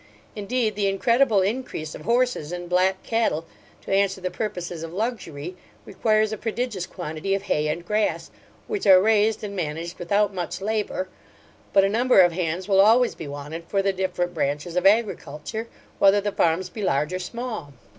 Indeed, the incredible increase of horses and black cattle, to answer the purposes of luxury, requires a prodigious quantity of hay and grass, which are raised and managed without much labour; but a number of hands will always be wanted for the different branches of agriculture, whether the farms be large or small.